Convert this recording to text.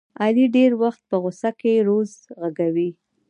علي ډېری وخت په غوسه کې روض غږوي.